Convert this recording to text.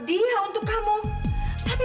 dia untuk kamu tapi